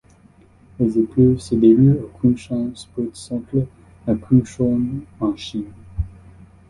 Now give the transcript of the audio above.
Les épreuves se déroulent au Kunshan Sports Centre à Kunshan en Chine.